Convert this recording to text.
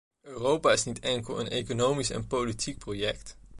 Europa is niet enkel een economisch en politiek project.